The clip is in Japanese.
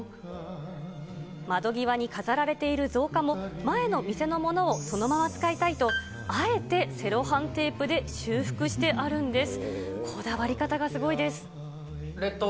窓際に飾られている造花も、前の店のものをそのまま使いたいと、あえてセロハンテープで修復してあるんです。